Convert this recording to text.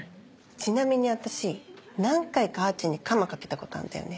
ちなみに私何回かあーちんに鎌かけたことあんだよね。